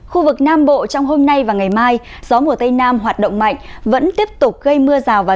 khu vực nam bộ trong hôm nay và ngày mai gió mùa tây nam hoạt động mạnh vẫn tiếp tục gây mưa rào và rông